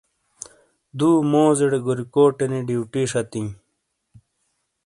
دُو موزیڑے گوریکوٹینی ڈیوٹی شتیِں۔